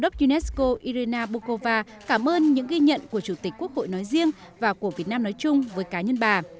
bà irina bokova cảm ơn những ghi nhận của chủ tịch quốc hội nói riêng và của việt nam nói chung với cá nhân bà